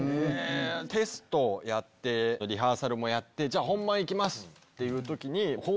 テストやってリハーサルもやってじゃあ本番いきますっていう時に。